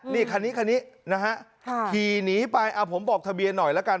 นี่นะฮะขี่หนีไปอะผมบอกทะเบียนหน่อยละกัน